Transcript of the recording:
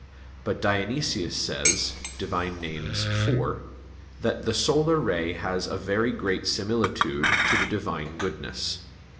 But Dionysius says (Div. Nom. iv) that "the solar ray has a very great similitude to the Divine goodness."